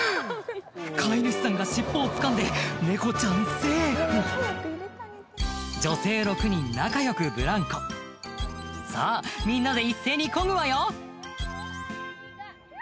飼い主さんが尻尾をつかんで猫ちゃんセーフ女性６人仲良くブランコ「さぁみんなで一斉にこぐわよ」